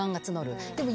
でも。